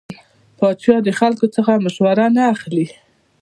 پاچا د خلکو څخه مشوره نه اخلي .